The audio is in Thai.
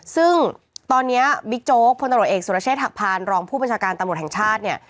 ซึ่งตอนนี้บิ๊กโจ๊กพลตรวจเอกสุรเชษฐหักพานรองผู้บัญชาการตำรวจแห่งชาติเนี่ย